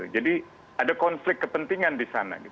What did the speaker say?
jadi ada konflik kepentingan di sana